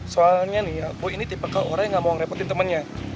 soalnya nih aku ini tipe ke orang yang gak mau ngerepotin temennya